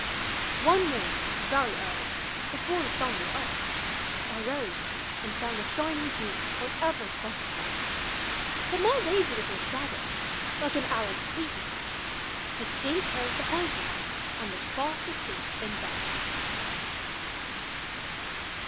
One morning, very early, before the sun was up, I rose and found the shining dew on every butter cup; Hut my lazy little shadow, like an arrant sleepy head. Had stayed at home behind me and was fast asleep in bed.